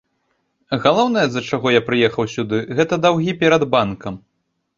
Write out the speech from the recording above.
Галоўнае, з-за чаго я прыехаў сюды, гэта даўгі перад банкам.